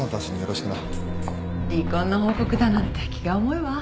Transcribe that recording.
離婚の報告だなんて気が重いわ